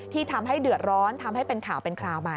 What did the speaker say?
ที่ทำให้เดือดร้อนทำให้เป็นข่าวเป็นคราวมา